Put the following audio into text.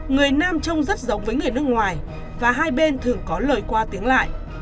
người nam trông rất giống với người nước ngoài và hai bên thường có lời qua tiếng lại